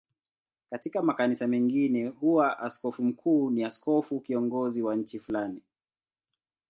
Katika makanisa mengine huwa askofu mkuu ni askofu kiongozi wa nchi fulani.